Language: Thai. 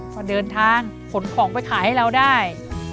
พอเดินทางขนของไปขายให้เราได้